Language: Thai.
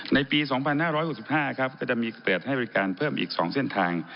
ในปี๒๕๖๕ครับก็จะมีเปิดให้บริการเพิ่มอีก๒เส้นทาง